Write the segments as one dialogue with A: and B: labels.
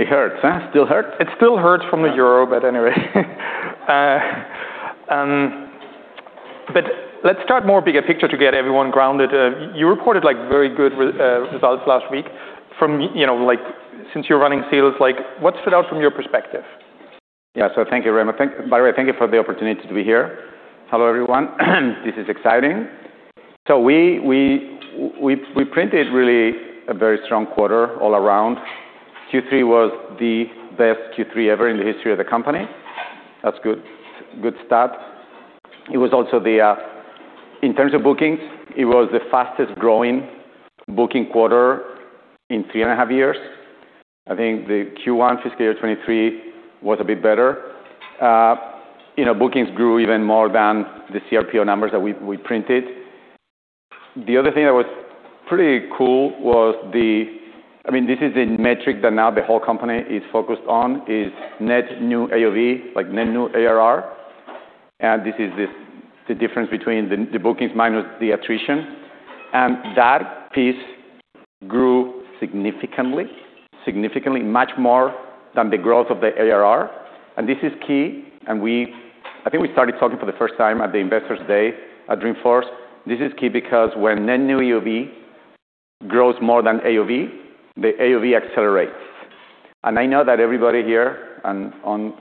A: It hurts. Huh? Still hurts?
B: It still hurts from the Euro, but anyway. But let's start more bigger picture to get everyone grounded. You reported, like, very good results last week from, you know, like, since you're running sales. Like, what stood out from your perspective?
A: Yeah. So thank you, Raimo. By the way, thank you for the opportunity to be here. Hello, everyone. This is exciting. So we printed really a very strong quarter all around. Q3 was the best Q3 ever in the history of the company. That's a good start. It was also, in terms of bookings, it was the fastest-growing booking quarter in three and a half years. I think the Q1 fiscal year 2023 was a bit better. You know, bookings grew even more than the cRPO numbers that we printed. The other thing that was pretty cool was the—I mean, this is the metric that now the whole company is focused on—is Net New AOV, like Net New ARR. And this is the difference between the bookings minus the attrition. That piece grew significantly much more than the growth of the ARR. This is key. We—I think we started talking for the first time at the Investors Day at Dreamforce. This is key because Net New AOV grows more than AOV, the AOV accelerates. I know that everybody here and on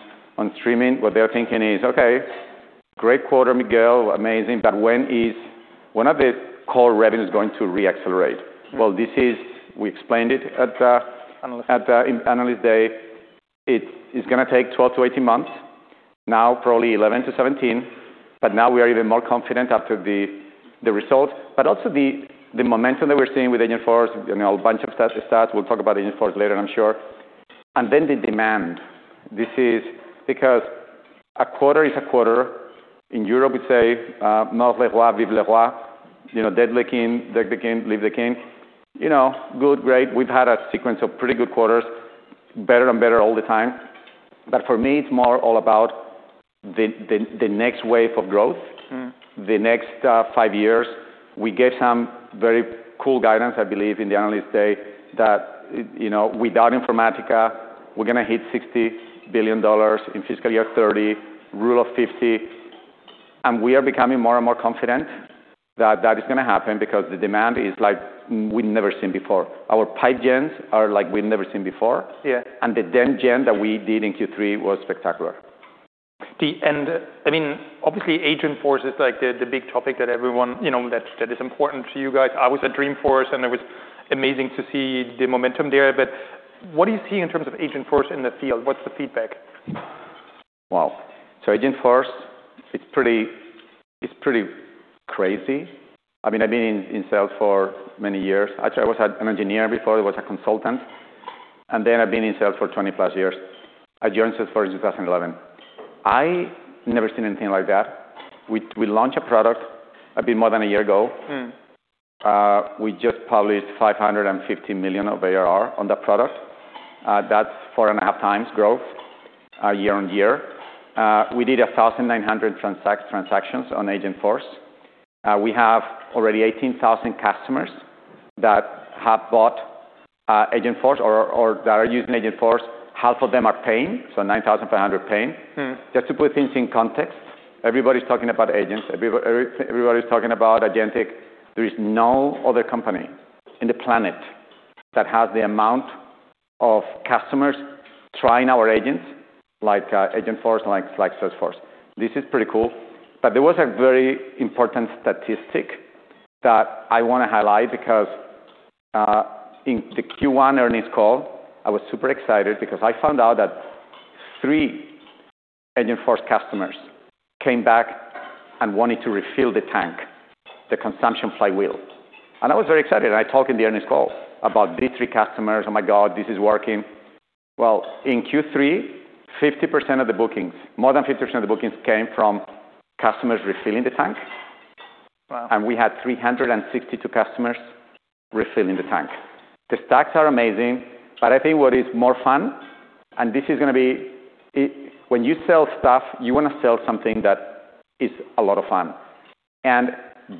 A: streaming, what they're thinking is, "Okay. Great quarter, Miguel. Amazing. But when is, when are the core revenues going to re-accelerate?" Well, this is, we explained it at,
B: Analyst.
A: At the Analyst Day, it is gonna take 12-18 months. Now, probably 11-17. But now we are even more confident after the results. But also the momentum that we're seeing with Agentforce, you know, a bunch of stuff. We'll talk about Agentforce later, I'm sure. And then the demand. This is because a quarter is a quarter. In Europe, we say, "Le roi est mort, vive le roi." You know, "The king is dead, long live the king." You know, good, great. We've had a sequence of pretty good quarters, better and better all the time. But for me, it's more all about the next wave of growth.
B: Mm-hmm.
A: The next five years. We gave some very cool guidance, I believe, in the Analyst Day that, you know, without Informatica, we're gonna hit $60 billion in fiscal year 2030, Rule of 50. And we are becoming more and more confident that that is gonna happen because the demand is like we've never seen before. Our pipelines are like we've never seen before.
B: Yeah.
A: The damn jam that we did in Q3 was spectacular.
B: And I mean, obviously, Agentforce is like the big topic that everyone, you know, that is important to you guys. I was at Dreamforce, and it was amazing to see the momentum there. But what do you see in terms of Agentforce in the field? What's the feedback?
A: Wow. So Agentforce, it's pretty crazy. I mean, I've been in sales for many years. Actually, I was an engineer before. I was a consultant. And then I've been in sales for 20+ years. I joined Salesforce in 2011. I never seen anything like that. We launched a product a bit more than a year ago.
B: Mm-hmm.
A: We just published 550 million of ARR on that product. That's four and a half times growth, year on year. We did 1,900 transactions on Agentforce. We have already 18,000 customers that have bought Agentforce or that are using Agentforce. Half of them are paying. So 9,500 paying.
B: Mm-hmm.
A: Just to put things in context, everybody's talking about agents. Everybody's talking about Agentic. There is no other company in the planet that has the amount of customers trying our agents like, Agentforce and like, like Salesforce. This is pretty cool. But there was a very important statistic that I wanna highlight because, in the Q1 earnings call, I was super excited because I found out that three Agentforce customers came back and wanted to refill the tank, the consumption flywheel. And I was very excited. And I talked in the earnings call about these three customers. "Oh my God, this is working." Well, in Q3, 50% of the bookings, more than 50% of the bookings came from customers refilling the tank.
B: Wow.
A: And we had 362 customers refilling the tank. The stats are amazing. But I think what is more fun, and this is gonna be, when you sell stuff, you wanna sell something that is a lot of fun. And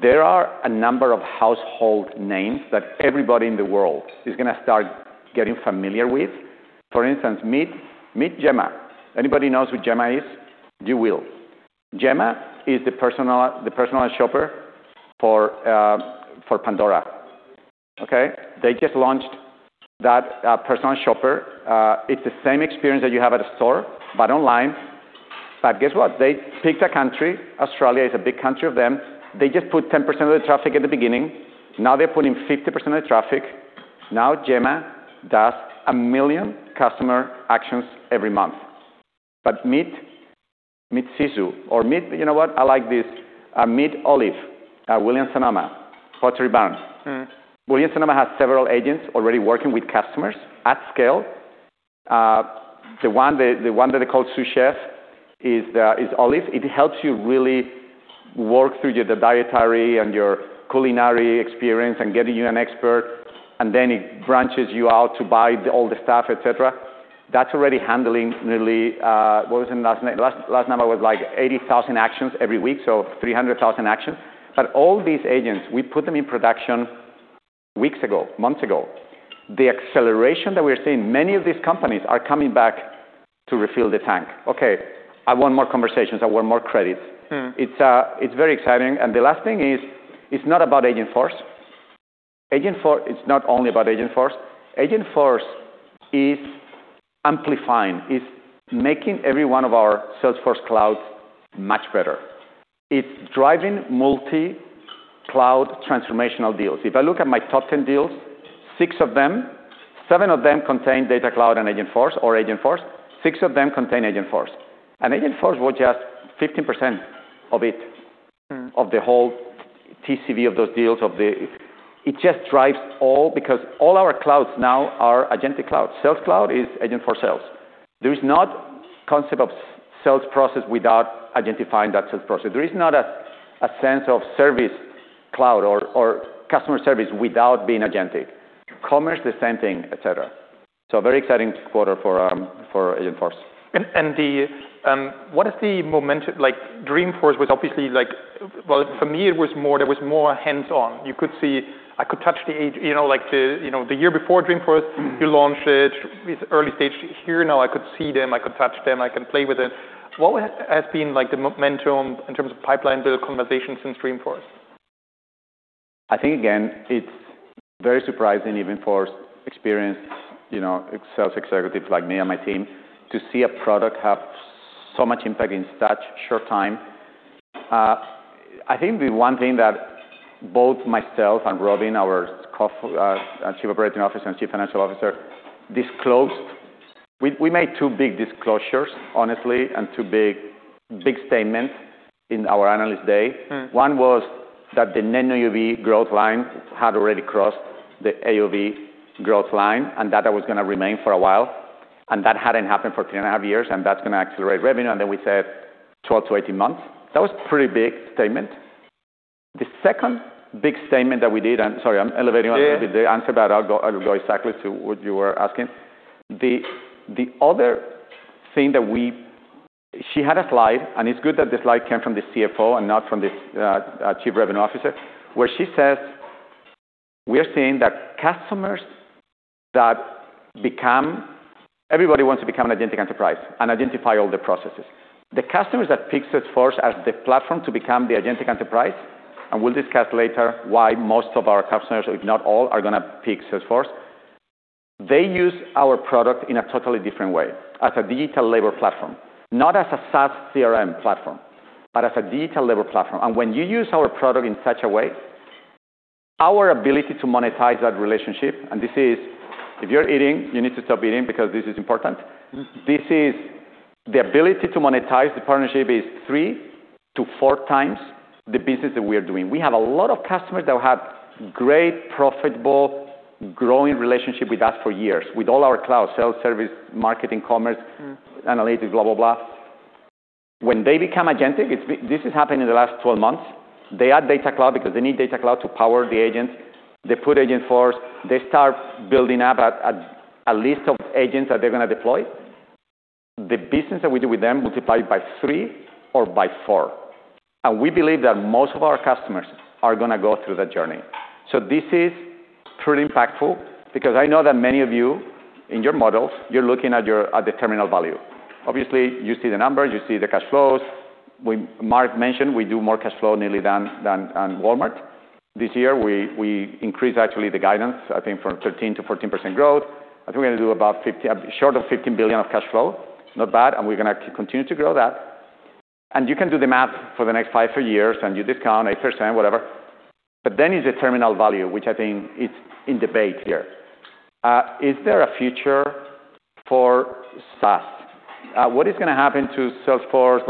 A: there are a number of household names that everybody in the world is gonna start getting familiar with. For instance, meet, meet Gemma. Anybody knows who Gemma is? You will. Gemma is the personal shopper for Pandora. Okay? They just launched that, personal shopper. It's the same experience that you have at a store, but online. But guess what? They picked a country. Australia is a big country of them. They just put 10% of the traffic at the beginning. Now they're putting 50% of the traffic. Now Gemma does a million customer actions every month. But meet, meet Olive, or meet, you know what? I like this. Meet Olive, Williams-Sonoma, Pottery Barn.
B: Mm-hmm.
A: Williams-Sonoma has several agents already working with customers at scale. The one that they call sous-chef is Olive. It helps you really work through your dietary and your culinary experience and getting you an expert. And then it branches you out to buy all the stuff, etc. That's already handling nearly, what was the last number? Last number was like 80,000 actions every week. So 300,000 actions. But all these agents, we put them in production weeks ago, months ago. The acceleration that we're seeing, many of these companies are coming back to refill the tank. Okay. I want more conversations. I want more credits.
B: Mm-hmm.
A: It's, it's very exciting. And the last thing is, it's not about Agentforce. Agentforce, it's not only about Agentforce. Agentforce is amplifying, is making every one of our Salesforce clouds much better. It's driving multi-cloud transformational deals. If I look at my top 10 deals, six of them, seven of them contain Data Cloud and Agentforce or Agentforce. Six of them contain Agentforce. And Agentforce was just 15% of it.
B: Mm-hmm.
A: Of the whole TCV of those deals of the—it just drives all because all our clouds now are Agentic cloud. Sales Cloud is Agentforce sales. There is not a concept of sales process without Agentic buying that sales process. There is not a sense of Service Cloud or customer service without being Agentic. Commerce, the same thing, etc. So very exciting quarter for Agentforce.
B: What is the momentum? Like, Dreamforce was obviously like, well, for me, it was more, there was more hands-on. You could see, I could touch the A, you know, like the, you know, the year before Dreamforce.
A: Mm-hmm.
B: You launched it. It's early stage here. Now I could see them. I could touch them. I can play with it. What has been like the momentum in terms of pipeline build conversation since Dreamforce?
A: I think, again, it's very surprising even for experienced, you know, sales executives like me and my team to see a product have so much impact in such short time. I think the one thing that both myself and Robin, our Chief Operating Officer and Chief Financial Officer, disclosed. We made two big disclosures, honestly, and two big, big statements in our Analyst Day.
B: Mm-hmm.
A: One was that Net New AOV growth line had already crossed the AOV growth line and that that was gonna remain for a while. And that hadn't happened for three and a half years, and that's gonna accelerate revenue. And then we said 12-18 months. That was a pretty big statement. The second big statement that we did, and sorry, I'm elevating a little bit.
B: Yeah.
A: The answer, but I'll go. I'll go exactly to what you were asking. The, the other thing that we, she had a slide, and it's good that the slide came from the CFO and not from the Chief Revenue Officer, where she says, "We are seeing that customers that become, everybody wants to become an Agentic enterprise and Agentic all the processes. The customers that pick Salesforce as the platform to become the Agentic enterprise, and we'll discuss later why most of our customers, if not all, are gonna pick Salesforce, they use our product in a totally different way as a digital labor platform, not as a SaaS CRM platform, but as a digital labor platform. When you use our product in such a way, our ability to monetize that relationship, and this is, if you're eating, you need to stop eating because this is important.
B: Mm-hmm.
A: This is the ability to monetize the partnership is three to four times the business that we are doing. We have a lot of customers that have great, profitable, growing relationships with us for years with all our Cloud: Sales, Service, Marketing, Commerce.
B: Mm-hmm.
A: Analytics, blah, blah, blah. When they become Agentic, it's been this has happened in the last 12 months. They add Data Cloud because they need Data Cloud to power the agents. They put Agentforce. They start building up a list of agents that they're gonna deploy. The business that we do with them multiplies by three or by four. And we believe that most of our customers are gonna go through that journey. So this is pretty impactful because I know that many of you, in your models, you're looking at your, at the terminal value. Obviously, you see the numbers. You see the cash flows. We, Mark mentioned we do more cash flow nearly than Walmart. This year, we increased actually the guidance, I think, from 13%-14% growth. I think we're gonna do about 15, short of $15 billion of cash flow. Not bad. We're gonna continue to grow that. You can do the math for the next five years, and you discount 8%, whatever. Then it's the terminal value, which I think is in debate here. Is there a future for SaaS? What is gonna happen to Salesforce?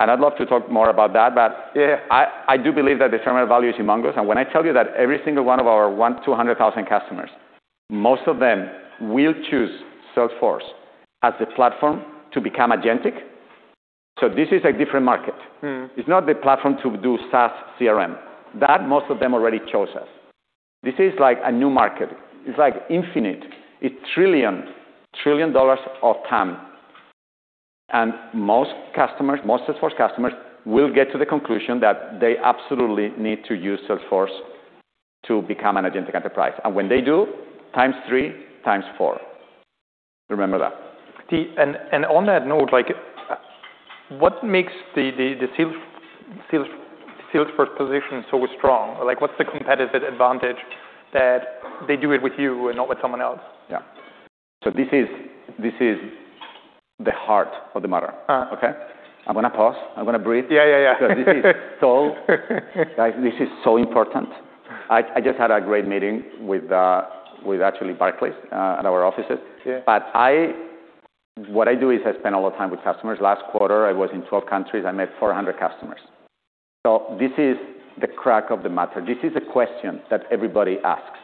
A: I'd love to talk more about that, but yeah, I, I do believe that the terminal value is humongous. When I tell you that every single one of our 1,200,000 customers, most of them will choose Salesforce as the platform to become Agentic. This is a different market.
B: Mm-hmm.
A: It's not the platform to do SaaS CRM. That most of them already chose us. This is like a new market. It's like infinite. It's trillion, trillion dollars of time. And most customers, most Salesforce customers will get to the conclusion that they absolutely need to use Salesforce to become an Agentic enterprise. And when they do, times three, times four. Remember that.
B: On that note, like, what makes the Salesforce position so strong? Like, what's the competitive advantage that they do it with you and not with someone else?
A: Yeah. So this is—this is the heart of the matter.
B: Uh-huh.
A: Okay? I'm gonna pause. I'm gonna breathe.
B: Yeah, yeah, yeah.
A: Because this is so important, guys. I just had a great meeting with actually Barclays at our offices.
B: Yeah.
A: But what I do is I spend a lot of time with customers. Last quarter, I was in 12 countries. I met 400 customers. So this is the crux of the matter. This is the question that everybody asks.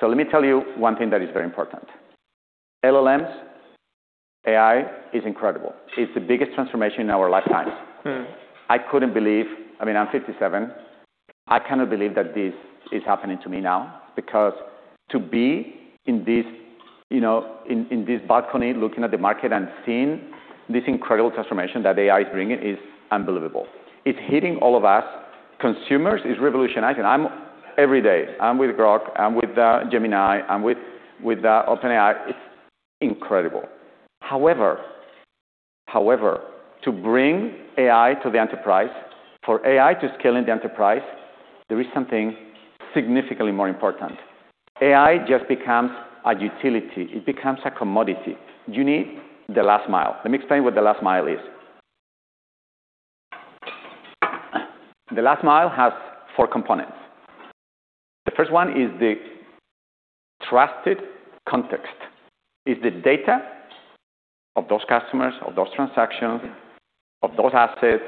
A: So let me tell you one thing that is very important. LLMs, AI is incredible. It's the biggest transformation in our lifetimes.
B: Mm-hmm.
A: I couldn't believe. I mean, I'm 57. I cannot believe that this is happening to me now because to be in this, you know, in this balcony looking at the market and seeing this incredible transformation that AI is bringing is unbelievable. It's hitting all of us. Consumers is revolutionizing. I'm every day. I'm with Grok. I'm with Gemini. I'm with OpenAI. It's incredible. However, to bring AI to the enterprise, for AI to scale in the enterprise, there is something significantly more important. AI just becomes a utility. It becomes a commodity. You need the last mile. Let me explain what the last mile is. The last mile has four components. The first one is the trusted context. It's the data of those customers, of those transactions.
B: Yeah.
A: Of those assets.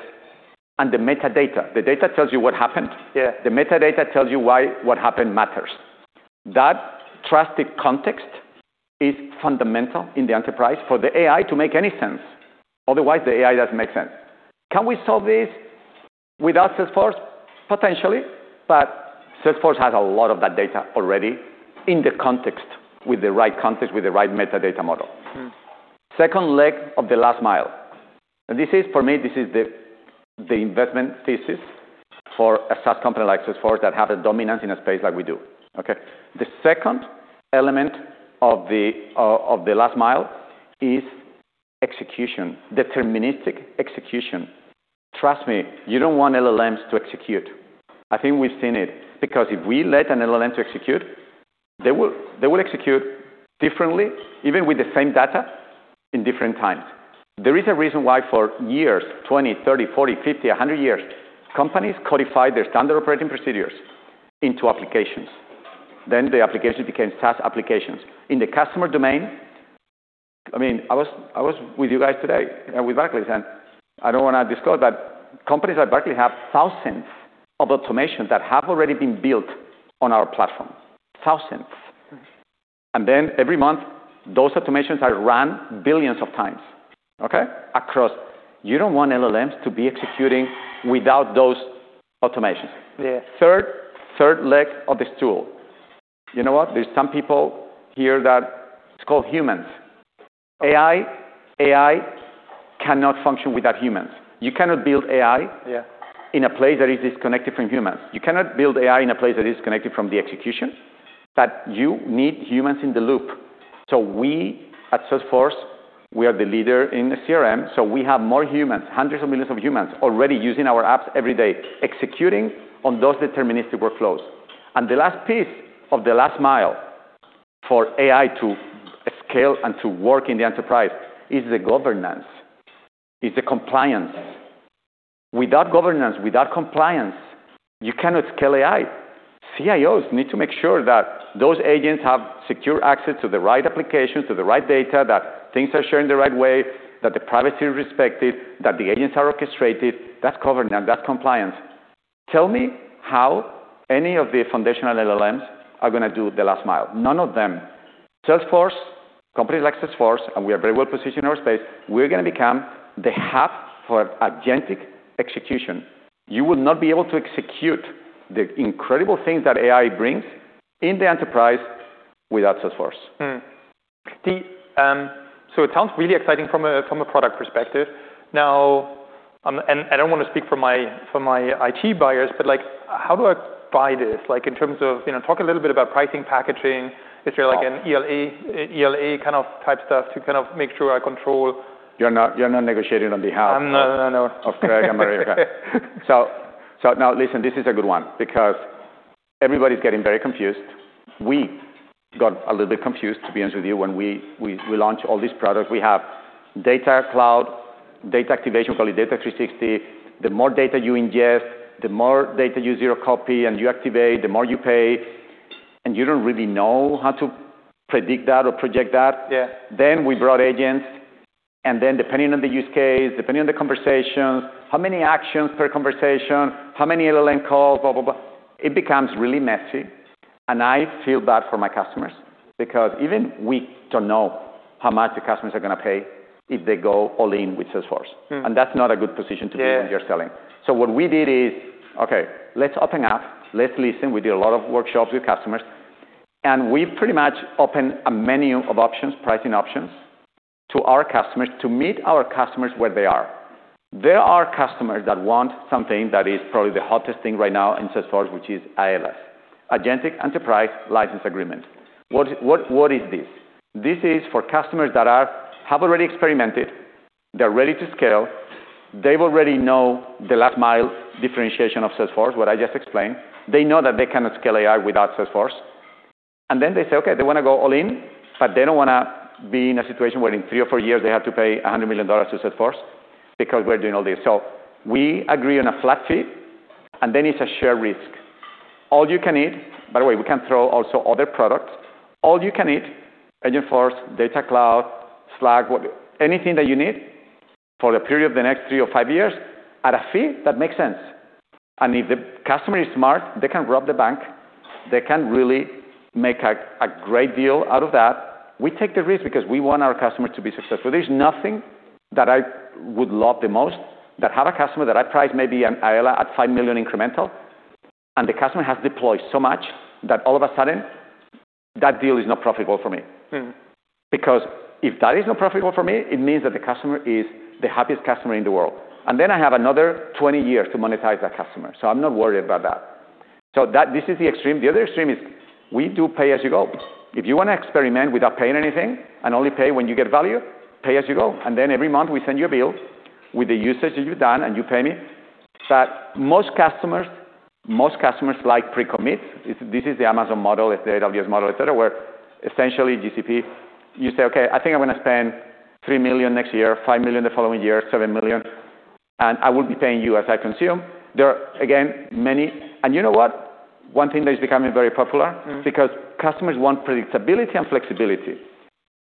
A: And the metadata. The data tells you what happened.
B: Yeah.
A: The metadata tells you why what happened matters. That trusted context is fundamental in the enterprise for the AI to make any sense. Otherwise, the AI doesn't make sense. Can we solve this without Salesforce? Potentially. But Salesforce has a lot of that data already in the context with the right context, with the right metadata model.
B: Mm-hmm.
A: Second leg of the last mile, and this is, for me, this is the, the investment thesis for a SaaS company like Salesforce that has a dominance in a space like we do. Okay? The second element of the, of the last mile is execution, deterministic execution. Trust me, you don't want LLMs to execute. I think we've seen it because if we let an LLM to execute, they will, they will execute differently even with the same data in different times. There is a reason why for years, 20, 30, 40, 50, 100 years, companies codified their standard operating procedures into applications. Then the applications became SaaS applications. In the customer domain, I mean, I was, I was with you guys today and with Barclays, and I don't wanna disclose, but companies like Barclays have thousands of automations that have already been built on our platform. Thousands.
B: Mm-hmm.
A: And then every month, those automations are run billions of times. Okay? Across. You don't want LLMs to be executing without those automations.
B: Yeah.
A: Third leg of the stool. You know what? There's some people here that it's called humans. AI cannot function without humans. You cannot build AI.
B: Yeah.
A: In a place that is disconnected from humans. You cannot build AI in a place that is disconnected from the execution. But you need humans in the loop. So we at Salesforce, we are the leader in the CRM. So we have more humans, hundreds of millions of humans already using our apps every day, executing on those deterministic workflows. And the last piece of the last mile for AI to scale and to work in the enterprise is the governance, is the compliance. Without governance, without compliance, you cannot scale AI. CIOs need to make sure that those agents have secure access to the right applications, to the right data, that things are shared in the right way, that the privacy is respected, that the agents are orchestrated. That's governance. That's compliance. Tell me how any of the foundational LLMs are gonna do the last mile. None of them. Salesforce, companies like Salesforce, and we are very well positioned in our space, we're gonna become the hub for Agentic execution. You will not be able to execute the incredible things that AI brings in the enterprise without Salesforce.
B: Mm-hmm. So it sounds really exciting from a product perspective. Now, and I don't wanna speak for my IT buyers, but like, how do I buy this? Like, in terms of, you know, talk a little bit about pricing, packaging, if you're like an AELA kind of type stuff to kind of make sure I control.
A: You're not negotiating on behalf of.
B: I'm not, no, no.
A: So now, listen, this is a good one because everybody's getting very confused. We got a little bit confused, to be honest with you, when we launched all these products. We have Data Cloud, data activation, we call it Data 360. The more data you ingest, the more data you zero-copy and you activate, the more you pay. And you don't really know how to predict that or project that.
B: Yeah.
A: Then we brought agents. And then depending on the use case, depending on the conversations, how many actions per conversation, how many LLM calls, blah, blah, blah, it becomes really messy. And I feel bad for my customers because even we don't know how much the customers are gonna pay if they go all in with Salesforce.
B: Mm-hmm.
A: That's not a good position to be in.
B: Yeah.
A: When you're selling. So what we did is, okay, let's open up. Let's listen. We did a lot of workshops with customers. And we pretty much opened a menu of options, pricing options to our customers to meet our customers where they are. There are customers that want something that is probably the hottest thing right now in Salesforce, which is AELA, Agentic Enterprise License Agreement. What, what, what is this? This is for customers that have already experimented. They're ready to scale. They've already known the last mile differentiation of Salesforce, what I just explained. They know that they cannot scale AI without Salesforce. And then they say, okay, they wanna go all in, but they don't wanna be in a situation where in three or four years they have to pay $100 million to Salesforce because we're doing all this. So we agree on a flat fee, and then it's a shared risk. All you can need, by the way, we can throw also other products, all you can need Agentforce, Data Cloud, Slack, what anything that you need for the period of the next three or five years at a fee that makes sense. And if the customer is smart, they can rob the bank. They can really make a great deal out of that. We take the risk because we want our customers to be successful. There's nothing that I would love the most that I have a customer that I price maybe an AELA at $5 million incremental, and the customer has deployed so much that all of a sudden that deal is not profitable for me.
B: Mm-hmm.
A: Because if that is not profitable for me, it means that the customer is the happiest customer in the world, and then I have another 20 years to monetize that customer, so I'm not worried about that, so that this is the extreme. The other extreme is we do pay as you go. If you wanna experiment without paying anything and only pay when you get value, pay as you go, and then every month we send you a bill with the usage that you've done and you pay me. But most customers, most customers like pre-commit. This is the Amazon model, the AWS model, etc., where essentially GCP, you say, okay, I think I'm gonna spend 3 million next year, 5 million the following year, 7 million, and I will be paying you as I consume. There are, again, many, and you know what? One thing that is becoming very popular.
B: Mm-hmm.
A: Because customers want predictability and flexibility.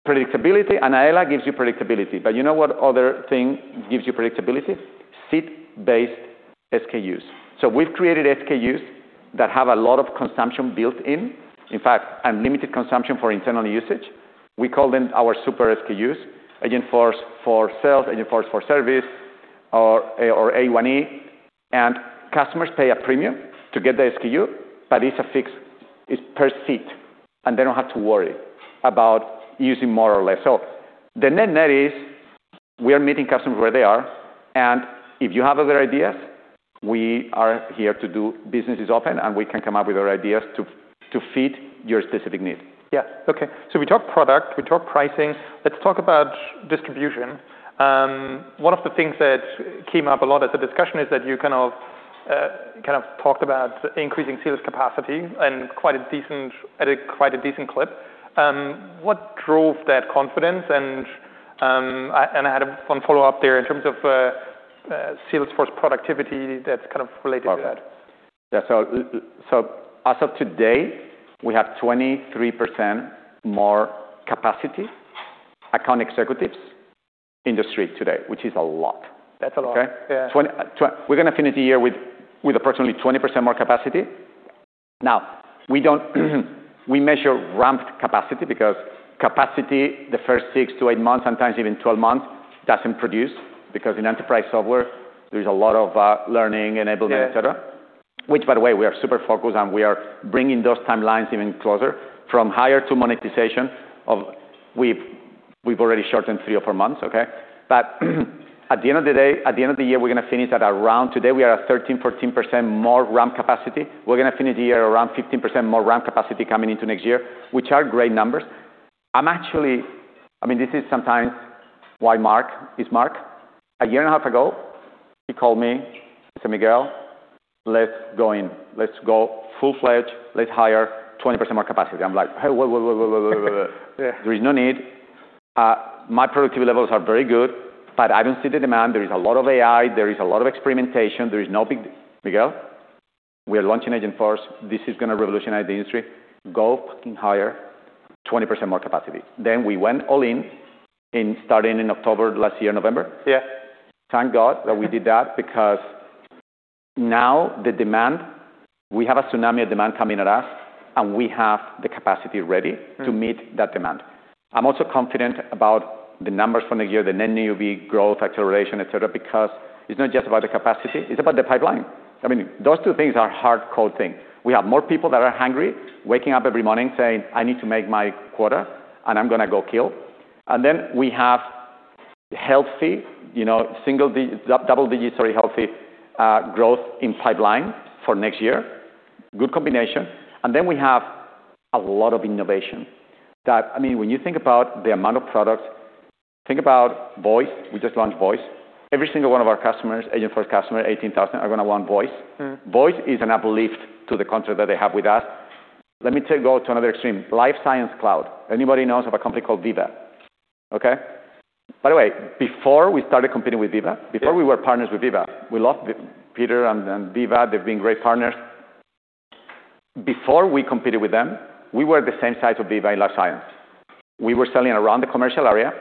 A: Predictability and AELA gives you predictability. But you know what other thing gives you predictability? Seat-based SKUs. So we've created SKUs that have a lot of consumption built in, in fact, unlimited consumption for internal usage. We call them our super SKUs: Agentforce for sales, Agentforce for service, or Einstein 1. And customers pay a premium to get the SKU, but it's fixed. It's per seat. And they don't have to worry about using more or less. So the net-net is we are meeting customers where they are. And if you have other ideas, we are here to do business is open, and we can come up with other ideas to fit your specific need.
B: Yeah. Okay. So we talked product. We talked pricing. Let's talk about distribution. One of the things that came up a lot as a discussion is that you kind of talked about increasing sales capacity and quite a decent clip. What drove that confidence? And I had a fun follow-up there in terms of Salesforce productivity that's kind of related to that.
A: Yeah. So as of today, we have 23% more capacity account executives in the street today, which is a lot.
B: That's a lot.
A: Okay?
B: Yeah.
A: We're gonna finish the year with approximately 20% more capacity. Now, we measure ramped capacity because capacity the first 6-8 months, sometimes even 12 months, doesn't produce because in enterprise software there's a lot of learning, enablement, etc.
B: Yeah.
A: Which, by the way, we are super focused on. We are bringing those timelines even closer from hire to monetization. We've already shortened three or four months. Okay? But at the end of the day, at the end of the year, we're gonna finish at around today, we are at 13%-14% more ramp capacity. We're gonna finish the year around 15% more ramp capacity coming into next year, which are great numbers. I'm actually, I mean, this is sometimes why Mark is Mark. A year and a half ago, he called me and said, "Miguel, let's go in. Let's go full-fledged. Let's hire 20% more capacity." I'm like, "Hey, wait, wait, wait, wait, wait, wait, wait, wait, wait, wait.
B: Yeah.
A: There is no need. My productivity levels are very good, but I don't see the demand. There is a lot of AI. There is a lot of experimentation. There is no big deal. We are launching Agentforce. This is gonna revolutionize the industry. Go fucking hire 20% more capacity. Then we went all in starting in October last year, November.
B: Yeah.
A: Thank God that we did that because now the demand, we have a tsunami of demand coming at us, and we have the capacity ready.
B: Mm-hmm.
A: To meet that demand. I'm also confident about the numbers from the year, Net New AOV growth, acceleration, etc., because it's not just about the capacity. It's about the pipeline. I mean, those two things are hardcore things. We have more people that are hungry, waking up every morning saying, "I need to make my quota, and I'm gonna go kill." And then we have healthy, you know, single digit, double-digit, sorry, healthy, growth in pipeline for next year. Good combination. And then we have a lot of innovation that, I mean, when you think about the amount of products, think about Voice. We just launched Voice. Every single one of our customers, Agentforce's customer, 18,000, are gonna want Voice.
B: Mm-hmm.
A: Voice is an uplift to the contract that they have with us. Let me take you to another extreme. Life Sciences Cloud. Anybody knows of a company called Veeva? Okay? By the way, before we started competing with Veeva.
B: Mm-hmm.
A: Before we were partners with Veeva, we loved Veeva, Peter and Veeva. They've been great partners. Before we competed with them, we were the same size of Veeva in life sciences. We were selling around the commercial area,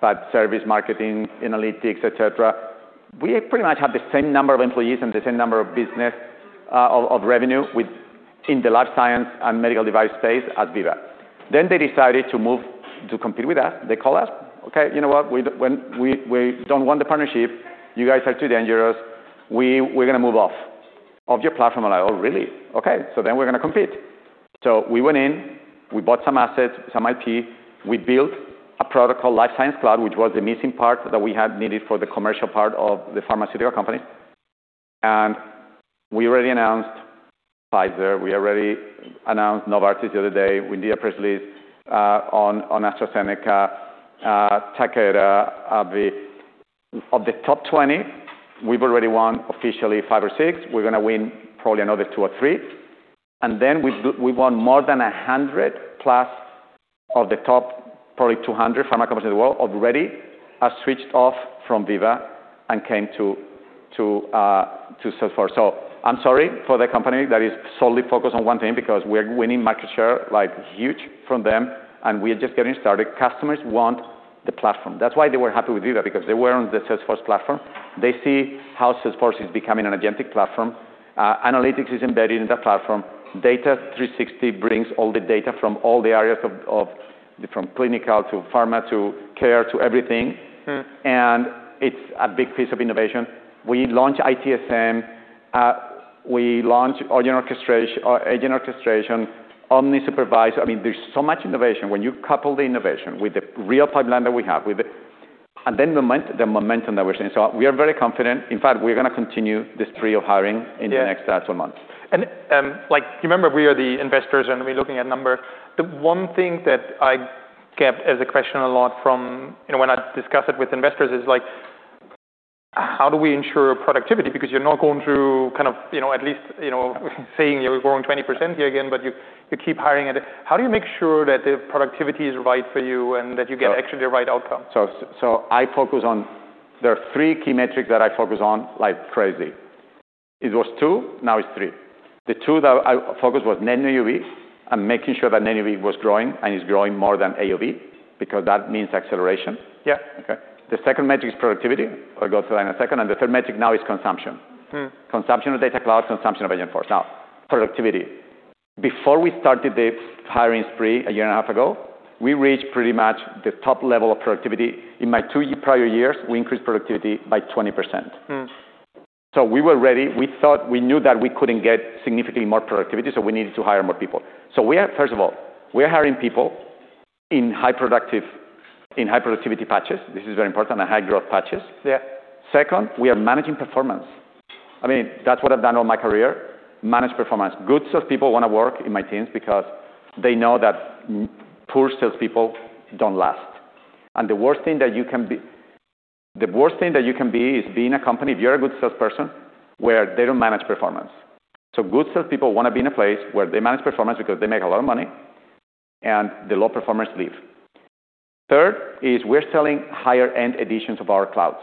A: but service, marketing, analytics, etc., we pretty much had the same number of employees and the same number of business, of revenue within the life sciences and medical device space as Veeva. Then they decided to move to compete with us. They called us, "Okay, you know what? We don't want the partnership. You guys are too dangerous. We're gonna move off of your platform." I'm like, "Oh, really? Okay. So then we're gonna compete." So we went in, we bought some assets, some IP. We built a product called Life Sciences Cloud, which was the missing part that we had needed for the commercial part of the pharmaceutical company. We already announced Pfizer. We already announced Novartis the other day. We did a press release on AstraZeneca, Takeda, AbbVie. Of the top 20, we've already won officially five or six. We're gonna win probably another two or three. Then we've won more than a hundred plus of the top probably 200 pharma companies in the world already have switched off from Veeva and came to Salesforce. So I'm sorry for the company that is solely focused on one thing because we're winning market share like huge from them, and we are just getting started. Customers want the platform. That's why they were happy with Veeva because they were on the Salesforce platform. They see how Salesforce is becoming an Agentic platform. Analytics is embedded in that platform. Data 360 brings all the data from all the areas, from clinical to pharma to care to everything.
B: Mm-hmm.
A: It's a big piece of innovation. We launched ITSM. We launched orchestration, agent orchestration, omni-supervised. I mean, there's so much innovation. When you couple the innovation with the real pipeline that we have, and then the momentum that we're seeing. We are very confident. In fact, we're gonna continue this spree of hiring in the next 12 months.
B: Yeah. And, like, you remember we are the investors and we're looking at numbers. The one thing that I kept as a question a lot from, you know, when I discuss it with investors is like, how do we ensure productivity? Because you're not going through kind of, you know, at least, you know, saying you're going 20% here again, but you keep hiring at it. How do you make sure that the productivity is right for you and that you get actually the right outcome?
A: I focus on there are three key metrics that I focus on like crazy. It was two, now it's three. The two that I focus on Net New AOV and making sure Net New AOV was growing and is growing more than AOV because that means acceleration.
B: Yeah.
A: Okay? The second metric is productivity. I'll go to that in a second, and the third metric now is consumption. Consumption of Data Cloud, consumption of Agentforce. Now, productivity. Before we started the hiring spree a year and a half ago, we reached pretty much the top level of productivity. In my two prior years, we increased productivity by 20%, so we were ready. We thought we knew that we couldn't get significantly more productivity, so we needed to hire more people. So we are, first of all, hiring people in high productivity patches. This is very important, the high growth patches.
B: Yeah.
A: Second, we are managing performance. I mean, that's what I've done all my career, manage performance. Good salespeople wanna work in my teams because they know that poor salespeople don't last. And the worst thing that you can be, the worst thing that you can be is being a company, if you're a good salesperson, where they don't manage performance. So good salespeople wanna be in a place where they manage performance because they make a lot of money and the low performers leave. Third is we're selling higher-end editions of our clouds.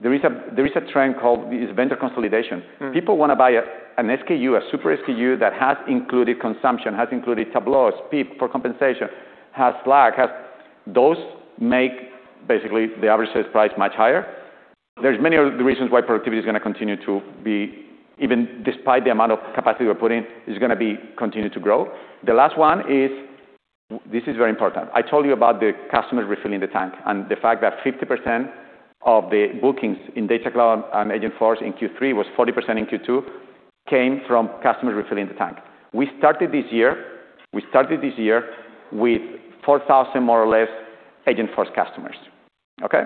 A: There is a, there is a trend called this vendor consolidation.
B: Mm-hmm.
A: People wanna buy an SKU, a super SKU that has included consumption, has included Tableau, PIP for compensation, has Slack, has those make basically the average sales price much higher. There are many other reasons why productivity is gonna continue to be, even despite the amount of capacity we're putting, it's gonna be continue to grow. The last one is, this is very important. I told you about the customer refilling the tank and the fact that 50% of the bookings in Data Cloud and Agentforce in Q3 was 40% in Q2 came from customers refilling the tank. We started this year with 4,000 more or less Agentforce customers. Okay?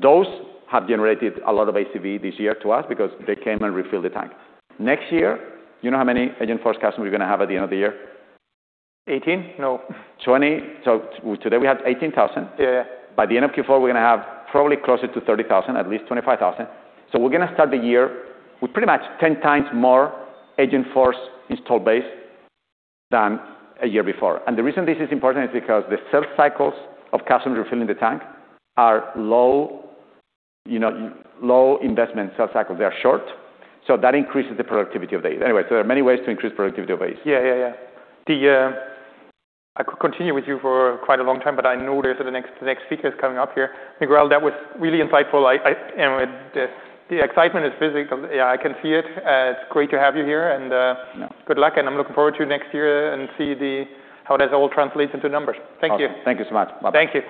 A: Those have generated a lot of AOV this year to us because they came and refilled the tank. Next year, you know how many Agentforce customers we're gonna have at the end of the year? 18?
B: No.
A: 20? So today we have 18,000.
B: Yeah, yeah.
A: By the end of Q4, we're gonna have probably closer to 30,000, at least 25,000. So we're gonna start the year with pretty much 10 times more Agentforce installed base than a year before, and the reason this is important is because the sales cycles of customers refilling the tank are low, you know, low investment sales cycles. They are short, so that increases the productivity of the, anyway, so there are many ways to increase productivity of AOV.
B: Yeah, yeah, yeah. I could continue with you for quite a long time, but I know there's the next speaker is coming up here. Miguel, that was really insightful. I, you know, the excitement is physical. Yeah, I can see it. It's great to have you here and,
A: Yeah.
B: Good luck, and I'm looking forward to next year and see how this all translates into numbers. Thank you.
A: Thank you so much. Bye-bye.
B: Thank you.